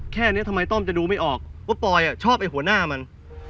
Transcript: แค่นี้ทำไมต้อมจะดูไม่ออกว่าปอยชอบไอ้หัวหน้ามัน